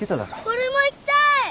俺も行きたい！